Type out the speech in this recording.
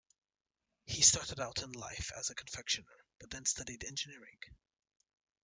He started out in life as a confectioner, but then studied engineering.